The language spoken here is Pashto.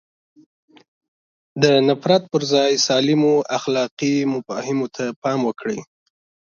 د نفرت پر ځای سالمو اخلاقي مفاهیمو ته پام وکړي.